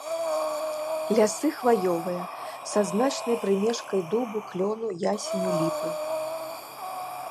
Лясы хваёвыя са значнай прымешкай дубу, клёну, ясеню, ліпы.